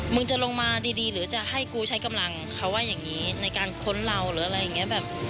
มึงจะลงมาดีหรือจะให้กูใช้กำลังเขาว่าอย่างนี้ในการค้นเราหรืออะไรอย่างนี้แบบ